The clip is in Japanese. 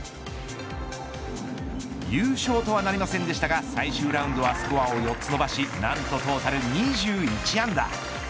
優勝とはなりませんでしたが最終ラウンドはスコアを４つ伸ばし何とトータル２１アンダー。